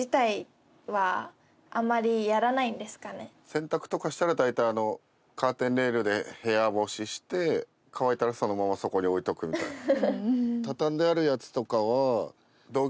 洗濯とかしたら大体カーテンレールで部屋干しして乾いたらそのままそこに置いとくみたいな。